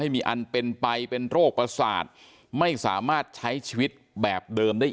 มีอันเป็นไปเป็นโรคประสาทไม่สามารถใช้ชีวิตแบบเดิมได้อีก